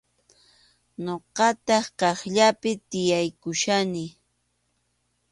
Ñuqataq kaqllapi tiyaykuchkani.